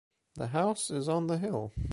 The house is on the hill.